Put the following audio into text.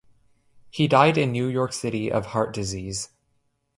He died in New York City of heart disease.